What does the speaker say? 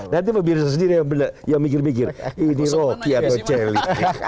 nanti pemirsa sendiri yang mikir mikir ini rocky atau celi